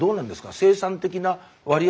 生産的な割合